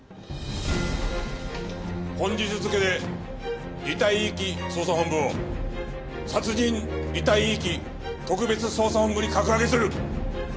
本日付で遺体遺棄捜査本部を殺人・遺体遺棄特別捜査本部に格上げする。